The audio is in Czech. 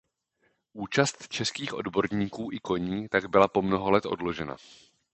Účast českých odborníků i koní tak byla na mnoho let odložena.